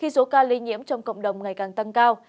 và ca lây nhiễm trong cộng đồng ngày càng tăng cao